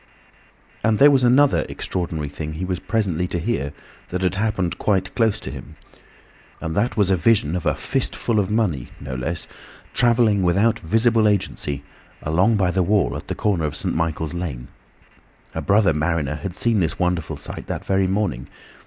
And there was another extraordinary thing he was presently to hear, that had happened quite close to him. And that was a vision of a "fist full of money" (no less) travelling without visible agency, along by the wall at the corner of St. Michael's Lane. A brother mariner had seen this wonderful sight that very morning.